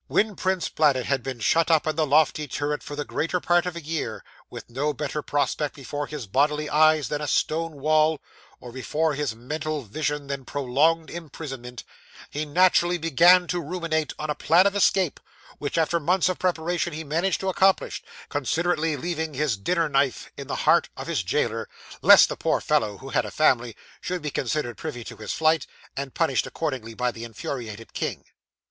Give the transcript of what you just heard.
'When Prince Bladud had been shut up in the lofty turret for the greater part of a year, with no better prospect before his bodily eyes than a stone wall, or before his mental vision than prolonged imprisonment, he naturally began to ruminate on a plan of escape, which, after months of preparation, he managed to accomplish; considerately leaving his dinner knife in the heart of his jailer, lest the poor fellow (who had a family) should be considered privy to his flight, and punished accordingly by the infuriated king.